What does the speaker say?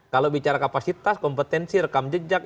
kalau bicara kapasitas kompetensi rekam jejak